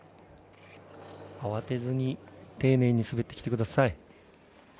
慌てずに丁寧に滑ってきてください。